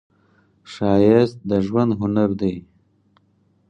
ښایست د ژوند هنر دی